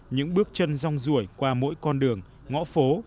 những bước chân rong rủi qua mỗi con đường ngõ phố